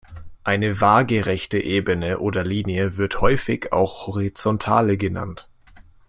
Eine waagerechte Ebene oder Linie wird häufig auch Horizontale genannt.